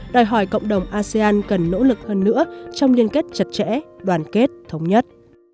đòi hỏi cộng đồng asean cần nỗ lực hơn nữa trong liên kết chặt chẽ đoàn kết thống nhất